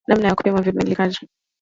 namna ya kupima vimiminika